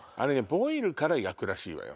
ボイルから焼くらしいわよ。